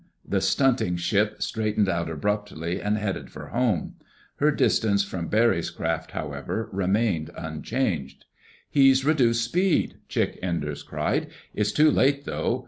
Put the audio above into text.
The stunting ship straightened out abruptly and headed for home. Her distance from Barry's craft, however, remained unchanged. "He's reduced speed!" Chick Enders cried. "It's too late, though.